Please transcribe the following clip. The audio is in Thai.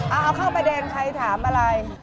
เอาเข้าไปเดินใครถามอะไร